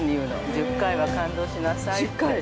１０回は感動しなさいって。